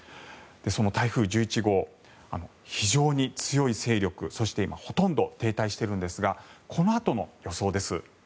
その台風１１号非常に強い勢力そしてほとんど停滞しているんですがこのあとの予想です。